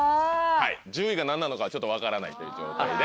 １０位が何なのかちょっと分からないという状態で。